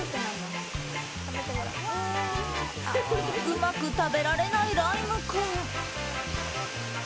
うまく食べられないライム君。